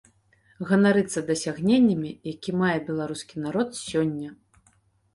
Ганарыцца дасягненнямі, які мае беларускі народ сёння.